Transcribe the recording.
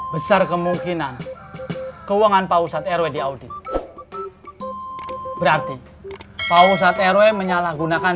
besar kemungkinan keuangan pak ustadz rw di audi berarti pak ustadz rw menyalahgunakan